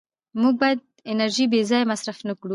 موږ باید انرژي بېځایه مصرف نه کړو